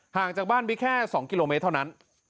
ห่างจากบ้านไปแค่๒กิโลเมตรเท่านั้น